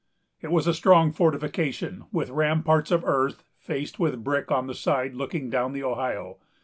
It was a strong fortification, with ramparts of earth, faced with brick on the side looking down the Ohio.